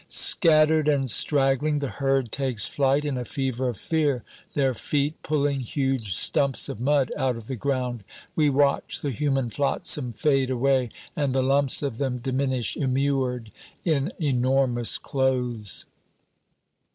Scattered and straggling, the herd takes flight in a fever of fear, their feet pulling huge stumps of mud out of the ground. We watch the human flotsam fade away, and the lumps of them diminish, immured in enormous clothes.